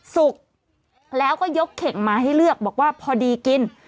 สุกแล้วก็ยกเข่งมาให้เลือกบอกว่าพอดีกิน